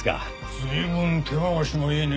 随分手回しがいいね。